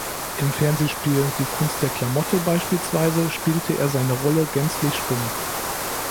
Im Fernsehspiel "Die Kunst der Klamotte" beispielsweise spielte er seine Rolle gänzlich stumm.